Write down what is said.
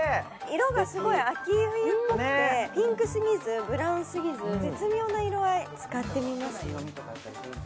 色がすごい秋冬っぽくてピンクすぎずブラウンすぎず絶妙な色合い使ってみます